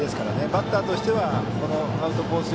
バッターとしてはアウトコース